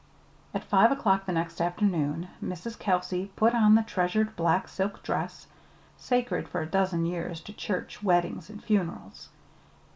At five o'clock the next afternoon Mrs. Kelsey put on the treasured black silk dress, sacred for a dozen years to church, weddings, and funerals.